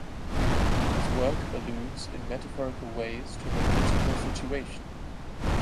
His work alludes in metaphorical ways to the political situation.